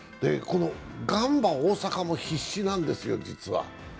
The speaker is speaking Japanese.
ガンバ大阪も必死なんですよ、実は。